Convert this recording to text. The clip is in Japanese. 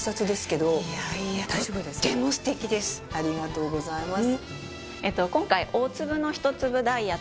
ありがとうございます。